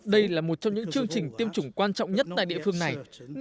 đây là một trong những chương trình tiêm chủng quan trọng nhất tại địa phương này